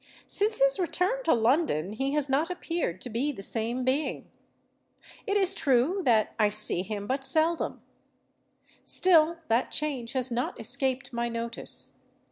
Since his return to London he has not appeared to be the same being. It is true that I see him but seldom: still that change has not escaped my notice.